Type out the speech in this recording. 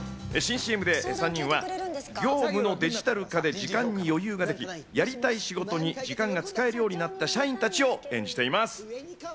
新ＣＭで３人は業務のデジタル化で時間に余裕ができ、やりたい仕事に時間が使えるようになった社員たちを演じています。